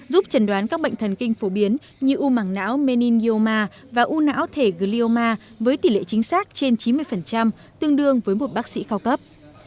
giúp chẩn đoán các bệnh thần kinh phổ biến như u mẳng não meningioma và u não thể glioma với tỷ lệ chính xác trên chín mươi tương đương với một bác sĩ cao cấp